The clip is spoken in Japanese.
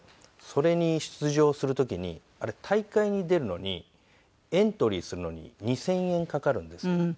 それに出場する時にあれ大会に出るのにエントリーするのに２０００円かかるんですよ。